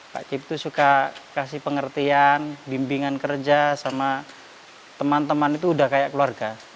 pak kip itu suka kasih pengertian bimbingan kerja sama teman teman itu udah kayak keluarga